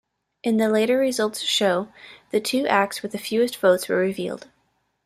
In the later results show, the two acts with the fewest votes were revealed.